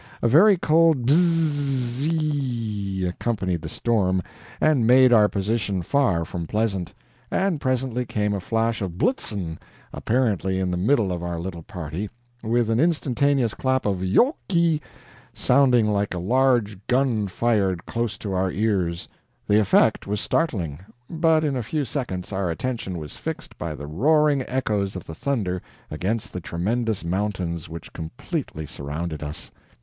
A very cold BZZZZZZZZEEE accompanied the storm, and made our position far from pleasant; and presently came a flash of BLITZEN, apparently in the middle of our little party, with an instantaneous clap of YOKKY, sounding like a large gun fired close to our ears; the effect was startling; but in a few seconds our attention was fixed by the roaring echoes of the thunder against the tremendous mountains which completely surrounded us.